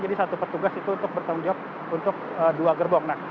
jadi satu petugas itu untuk bertanggung jawab untuk dua gerbong